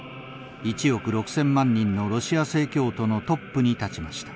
１億６，０００万人のロシア正教徒のトップに立ちました。